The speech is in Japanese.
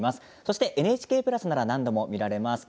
ＮＨＫプラスなら何度でも見られます。